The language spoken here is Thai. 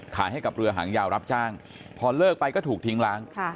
ขายให้กับเรือหางยาวรับจ้างพอเลิกไปก็ถูกทิ้งล้าง